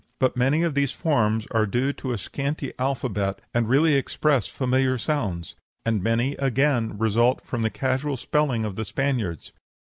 But many of these forms are due to a scanty alphabet, and really express familiar sounds; and many, again, result from the casual spelling of the Spaniards.